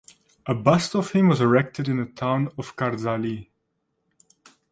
A bust of him was erected in the town of Kardzhali.